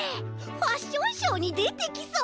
ファッションショーにでてきそう！